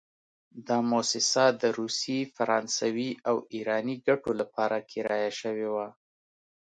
دا موسسه د روسي، فرانسوي او ایراني ګټو لپاره کرایه شوې وه.